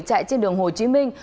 chạy trên đường hồ chí minh